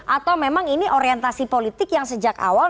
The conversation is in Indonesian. atau memang ini orientasi politik yang sejak awal